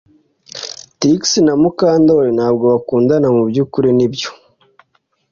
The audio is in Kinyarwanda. Trix na Mukandoli ntabwo bakundana mubyukuri nibyo